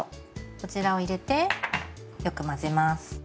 こちらを入れてよく混ぜます。